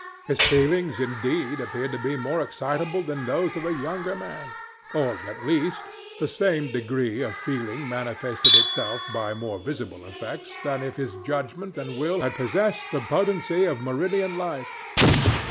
His feelings, indeed, appeared to me more excitable than those of a younger man—or, at least, the same degree of feeling manifested itself by more visible effects than if his judgment and will had possessed the potency of meridian life.